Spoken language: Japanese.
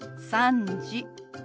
「３時」。